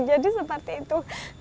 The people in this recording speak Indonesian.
jadi seperti itu